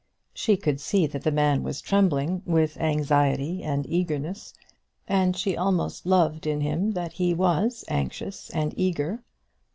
She could see that the man was trembling with anxiety and eagerness, and she almost loved him that he was anxious and eager.